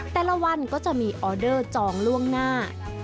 แต่ละวันก็จะมีออเดอร์จองล่วงหน้า